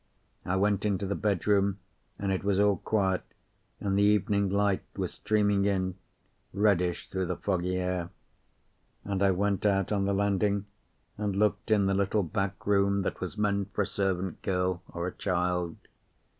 I went into the bedroom, and it was all quiet, and the evening light was streaming in, reddish through the foggy air; and I went out on the landing and looked in the little back room that was meant for a servant girl or a child.